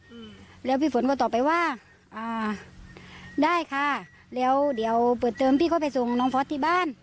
อืมแล้วพี่ฝนก็ตอบไปว่าอ่าได้ค่ะแล้วเดี๋ยวเปิดเติมพี่เขาไปส่งน้องพอร์ตที่บ้าน